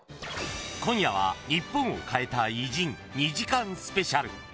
今夜はニッポンを変えた偉人２時間スペシャル。